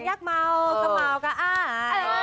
ยากเมาเข้าเมาก็อา